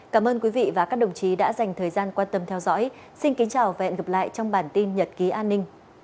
cảm ơn các bạn đã theo dõi và hẹn gặp lại